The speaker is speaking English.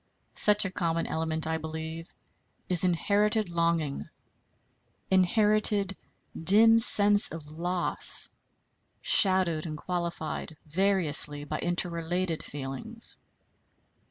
Such a common element, I believe, is inherited longing, inherited dim sense of loss, shadowed and qualified variously by interrelated feelings.